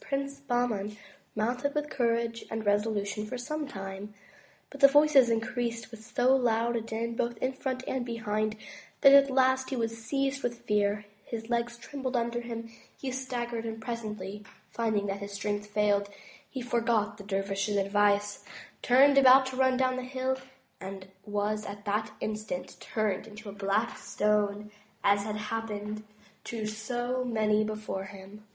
Prince Bah man mounted with courage and resolution for some time, but the voices increased with so loud a din, both in front and behind, that at last he was seized with fear, his legs trembled under him, he staggered, and presently finding that his strength failed, he forgot the dervish's advice, turned about to run down the hill, and was at that instant turned into a black stone as had hap pened to so many before him.